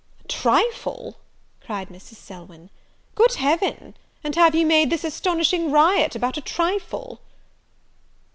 "A trifle!" cried Mrs. Selwyn, "good Heaven! and have you made this astonishing riot about a trifle?"